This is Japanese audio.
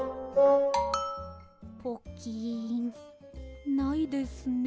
ポキンないですね。